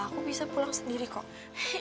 aku bisa pulang sendiri kok